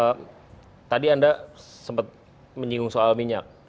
oke jadi tadi anda sempat menyinggung soal minyak